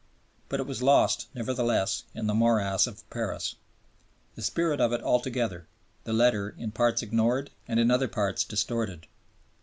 But it was lost, nevertheless, in the morass of Paris; the spirit of it altogether, the letter in parts ignored and in other parts distorted.